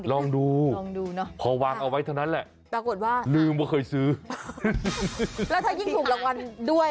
ลองดูพอวางเอาไว้เท่านั้นแหละลืมว่าเคยซื้อและถ้ายิ่งถูกรางวัลด้วย